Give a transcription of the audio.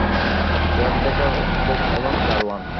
Caretaker, cook এবং দারোয়ান।